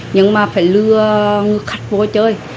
nhưng mà phải lừa khách vô chơi